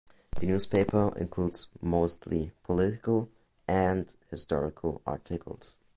The newspaper includes mostly political and historical articles.